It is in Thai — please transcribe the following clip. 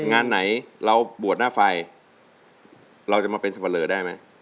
งานไหนเราบวชหน้าไฟเราจะมาเป็นสับปะเลอได้ไหม